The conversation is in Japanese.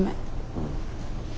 うん。